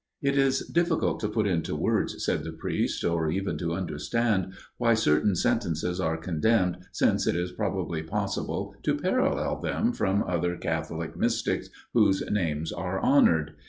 "It is difficult to put into words," said the priest, "or even to understand, why certain sentences are condemned, since it is probably possible to parallel them from other Catholic mystics whose names are honoured.